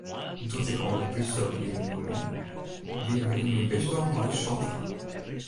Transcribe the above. Doe't ik oan de prysteroplieding begûn, wiene we yn myn bisdom mei ús santigen.